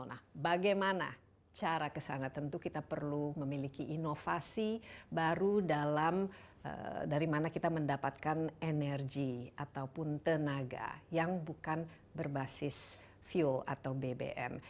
nah bagaimana cara kesana tentu kita perlu memiliki inovasi baru dalam dari mana kita mendapatkan energi ataupun tenaga yang bukan berbasis fuel atau bbm